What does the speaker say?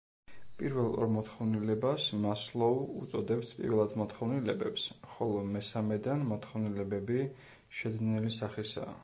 პირველ ორ მოთხოვნილებას მასლოუ უწოდებს პირველად მოთხოვნილებებს, ხოლო მესამედან მოთხოვნილებები შეძენილი სახისაა.